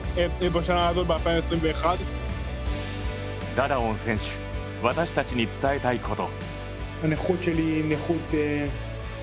ダダオン選手私たちに伝えたいこと。